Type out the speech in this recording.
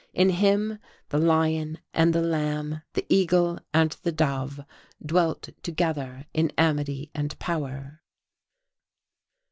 In him the Lion and the Lamb, the Eagle and the Dove dwelt together in amity and power.